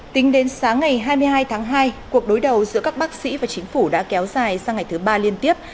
tính đến sáng ngày hai mươi hai tháng hai cuộc đối đầu giữa các bác sĩ và chính phủ đã kéo dài sang ngày thứ ba liên tiếp